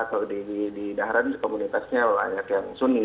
kalau di dahran komunitasnya banyak yang suni